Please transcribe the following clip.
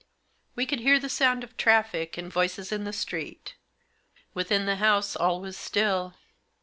We could hear the sound of traffic and voices in the street. Within the house all was still.